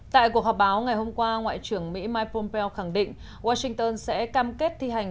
tại cuộc họp báo ngày hôm qua ngoại trưởng mỹ mike pompeo khẳng định washington sẽ cam kết thi hành